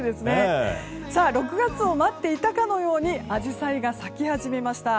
６月を待っていたかのようにアジサイが咲き始めました。